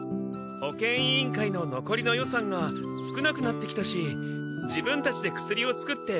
保健委員会ののこりの予算が少なくなってきたし自分たちで薬を作って売ろうと思ってね。